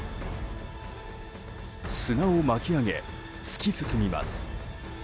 砂を巻き上げ突き進みます。